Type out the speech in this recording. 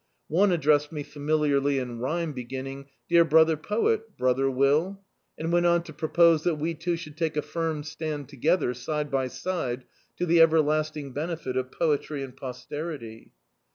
One addressed me familiarly in rhyme, beginning — "Dear brother poet, brother Will;" and went on to propose that we two should take a firm stand tt^ther, side by side, to the everlasting benefit of poetry and posterity.